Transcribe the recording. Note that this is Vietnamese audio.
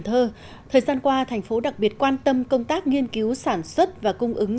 thời gian qua tp cn đặc biệt quan tâm công tác nghiên cứu sản xuất và cung ứng